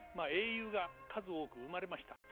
英雄が数多く生まれました。